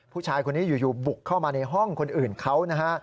ผู้ชายคนนี้อยู่บุกเข้ามาในห้องคนอื่นเขานะฮะ